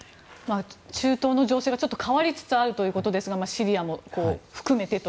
中東情勢が変わりつつあるということですがシリアも含めて。